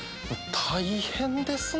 大変ですね。